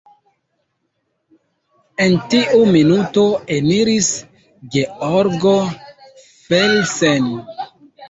En tiu minuto eniris Georgo Felsen.